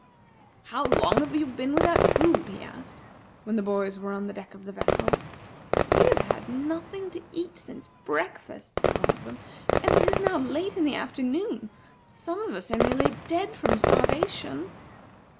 "How long have you been without food?" he asked, when the boys were on the deck of the vessel. "We have had nothing to eat since breakfast," said one of them; "and it is now late in the afternoon. Some of us are nearly dead from starvation."